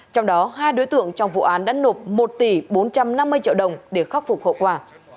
trong đó hai đối tượng trong vụ án đã nộp một tỷ bốn trăm năm mươi triệu đồng để khắc phục hậu quả